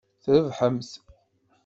Trebḥemt.